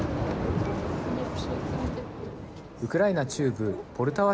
ウクライナ中部ポルタワ